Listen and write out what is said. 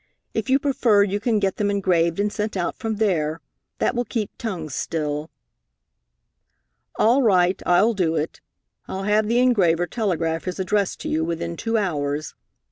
If you prefer, you can get them engraved and sent out from there. That will keep tongues still." "All right, I'll do it. I'll have the engraver telegraph his address to you within two hours.